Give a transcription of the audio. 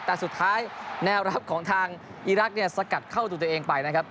แต่สุดท้ายแนวรับของทางอีรักษ์เนี่ยสกัดเข้าตัวตัวเองไปนะครับ